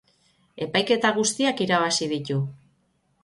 Epaiketa guztiak irabazi ditu.